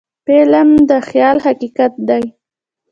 فلم د خیال حقیقت دی